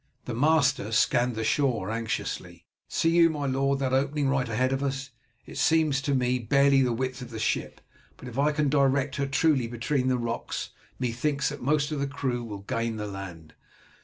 The master scanned the shore anxiously. "See you, my lord, that opening right ahead of us? It seems to me barely the width of the ship, but if I can direct her truly between the rocks methinks that most of the crew will gain the land.